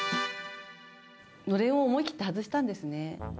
のれんを思い切って外したんですね。